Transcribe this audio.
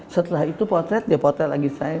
setelah itu potret dia potret lagi saya